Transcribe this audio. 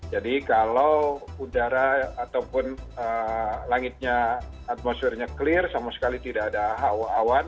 jadi kalau udara ataupun langitnya atmosfernya clear sama sekali tidak ada awan